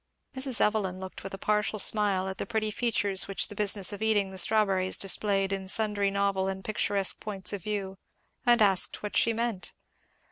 Mrs. Evelyn looked with a partial smile at the pretty features which the business of eating the strawberries displayed in sundry novel and picturesque points of view; and asked what she meant?